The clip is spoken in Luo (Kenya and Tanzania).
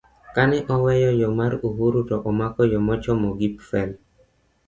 kane oweyo yo mar Uhuru to omako yo mochomo Gipfel,